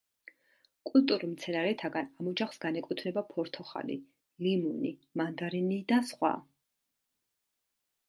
კულტურულ მცენარეთაგან ამ ოჯახს განეკუთვნება ფორთოხალი, ლიმონი, მანდარინი და სხვა.